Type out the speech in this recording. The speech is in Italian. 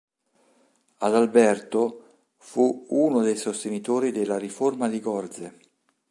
Adalberto fu uno dei sostenitori della Riforma di Gorze.